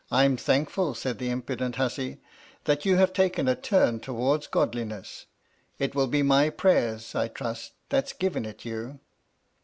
I'm thankful,' said the impudent hussy, ' that you have taken a turn towards godliness. It will be my prayers, I trust, that's given it you.'